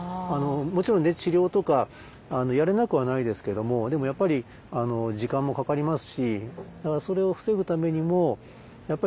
もちろん治療とかやれなくはないですけどもでもやっぱり時間もかかりますし。